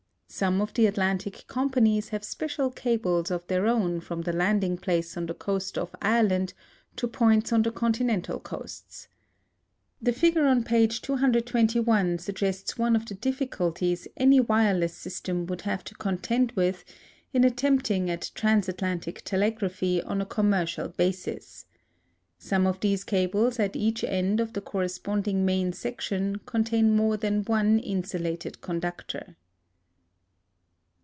Some of the Atlantic companies have special cables of their own from the landing place on the coast of Ireland to points on the Continental coasts. The figure on page 221 suggests one of the difficulties any wireless system would have to contend with in attempting at transatlantic telegraphy on a commercial basis. Some of these cables at each end of the corresponding main section contain more than one insulated conductor.